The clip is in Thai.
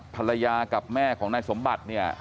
ภรรยากับแม่ของนายสมบัติเนี่ย